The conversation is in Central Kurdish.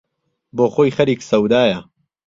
بۆ خۆی خەریک سەودایە